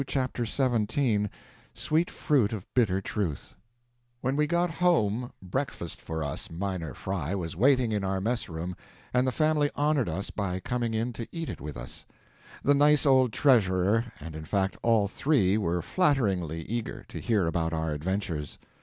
Chapter 17 Sweet Fruit of Bitter Truth WHEN WE got home, breakfast for us minor fry was waiting in our mess room and the family honored us by coming in to eat it with us. The nice old treasurer, and in fact all three were flatteringly eager to hear about our adventures.